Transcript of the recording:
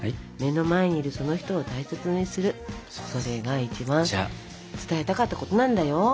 目の前にいるその人を大切にするそれが一番伝えたかったことなんだよ。